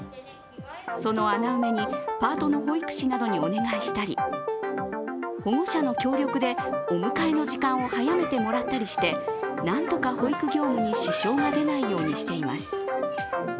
その穴埋めに、パートの保育士などにお願いしたり、保護者の協力でお迎えの時間を早めてもらったりして何とか保育業務に支障が出ないようにしています。